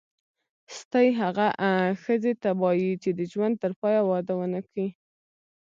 ستۍ هغه ښځي ته وايي چي د ژوند ترپایه واده ونه کي.